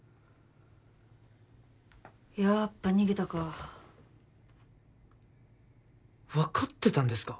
やっぱ逃げたか分かってたんですか？